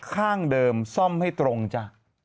ข้างเดิมซ่อมให้ตรงจ้ะ